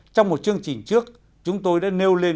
trong một chương trình trước chúng tôi đã nêu lên